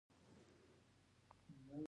هر انسان د برخلیک جوړونکی دی.